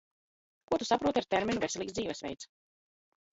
Ko Tu saproti ar terminu "veselīgs dzīvesveids"?